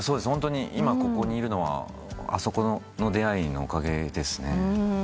ホントに今ここにいるのはあそこの出会いのおかげですね。